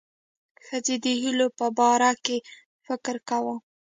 ښځې د هیلو په باره کې فکر کاوه.